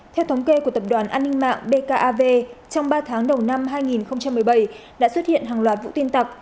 theo thống kê của tập đoàn an ninh mạng bkav trong ba tháng đầu năm hai nghìn một mươi bảy đã xuất hiện hàng loạt vụ tin tặc